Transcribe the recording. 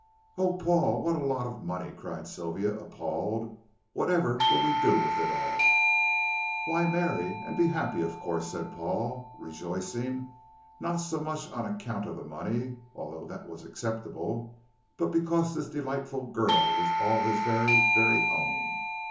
"Oh, Paul, what a lot of money!" cried Sylvia, appalled. "Whatever will we do with it all?" "Why, marry and be happy, of course," said Paul, rejoicing not so much on account of the money, although that was acceptable, but because this delightful girl was all his very very own.